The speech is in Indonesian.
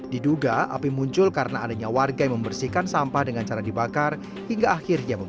diduga api muncul karena adanya warga yang membersihkan sampah dengan cara dibakar hingga akhirnya